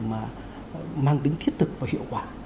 mà mang tính thiết thực và hiệu quả